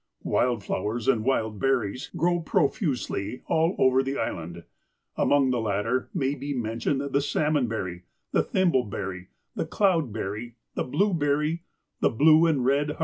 Wild flowers, and wild berries, grow profusely all over the Island. Among the latter may be mentioned the salmonberry, the thimbleberry, the cloudberry, the blue berry, the blue and red huckleberry, and the whortle berry.